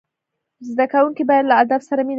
زدهکوونکي باید له ادب سره مینه ولري.